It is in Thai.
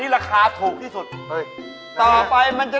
ราคาถูกด้วย